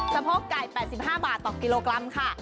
โพกไก่๘๕บาทต่อกิโลกรัมค่ะ